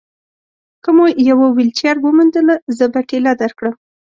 که مو یوه ویلچېر وموندله، زه به ټېله درکړم.